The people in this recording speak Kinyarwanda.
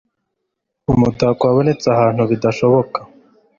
Umutako wabonetse ahantu bidashoboka.